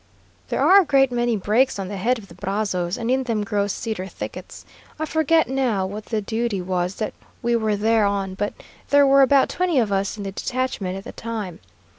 "There are a great many brakes on the head of the Brazos, and in them grow cedar thickets. I forget now what the duty was that we were there on, but there were about twenty of us in the detachment at the time.